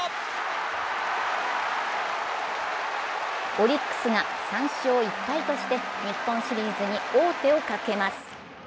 オリックスが３勝１敗として日本シリーズに王手をかけます。